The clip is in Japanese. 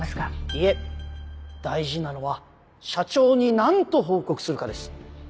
いえ大事なのは社長に何と報告するかです。